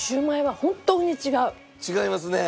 違いますね。